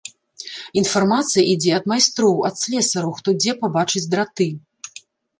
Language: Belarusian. Інфармацыя ідзе ад майстроў, ад слесараў, хто дзе пабачыць драты.